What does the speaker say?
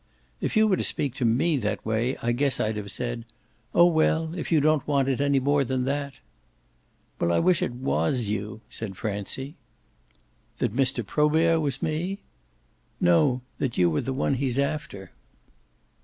"If you were to speak to ME that way I guess I'd have said 'Oh well, if you don't want it any more than that !'" "Well, I wish it WAS you," said Francie. "That Mr. Probert was me?" "No that you were the one he's after."